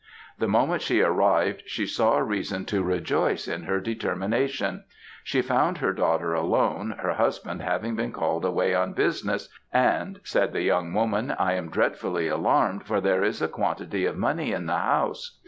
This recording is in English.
The moment she arrived she saw reason to rejoice in her determination; she found her daughter alone, her husband having been called away on business; and, said the young woman, I am dreadfully alarmed, for there is a quantity of money in the house.